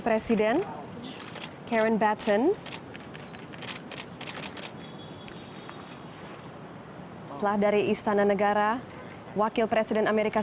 perjalanan dan persahabatan antara dua negara